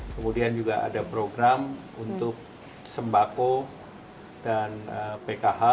kemudian juga ada program untuk sembako dan pkh